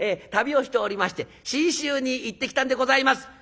旅をしておりまして信州に行ってきたんでございます」。